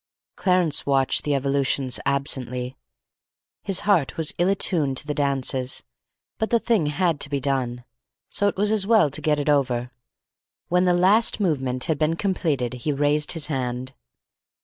Clarence watched the evolutions absently. His heart was ill attuned to dances. But the thing had to be done, so it was as well to get it over. When the last movement had been completed, he raised his hand.